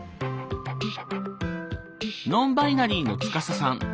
ノンバイナリーのツカサさん。